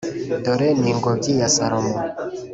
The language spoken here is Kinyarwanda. Dore ni ingobyi ya Salomo